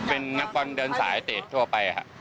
เป็นนักบอลเดินสายเตะทั่วไปครับ